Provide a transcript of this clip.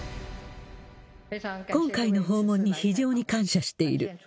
今回の訪問に非常に感謝している。